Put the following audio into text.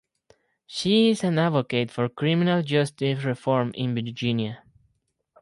She is an advocate for criminal justice reform in Virginia.